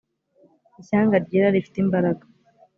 ishyanga ryera rifite imbaraga